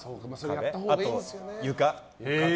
あと床。